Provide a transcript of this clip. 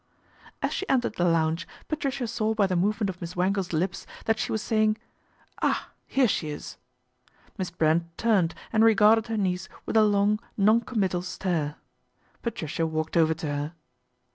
As she entered the lounge, Patricia saw by the movement of Miss Wangle's lips that she was say ing " Ah ! here she is." Miss Brent turned and regarded her niece with a long, non committal stare. Patricia walked over to her.